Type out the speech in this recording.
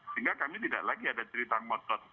sehingga kami tidak lagi ada cerita ngotot